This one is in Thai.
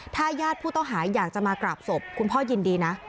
ถ้าญาติผู้ต้องหาอยากจะมากราบศพคุณพ่อยินดีนะ